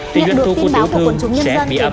tiền lượng thu của tiểu thương sẽ bị âm